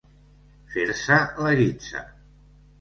Fer-se la guitza.